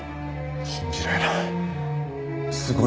信じられない。